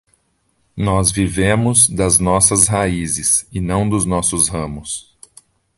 Nós vivemos das nossas raízes e não dos nossos ramos.